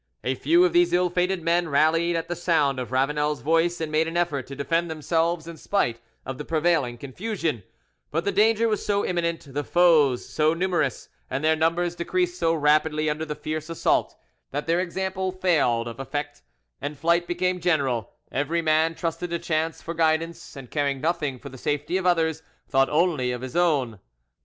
A few of these ill fated men rallied at the sound of Ravanel's voice and made an effort to defend themselves in spite of the prevailing confusion; but the danger was so imminent, the foes so numerous, and their numbers decreased so rapidly under the fierce assault, that their example failed of effect, and flight became general: every man trusted to chance for guidance, and, caring nothing for the safety of others, thought only of his own.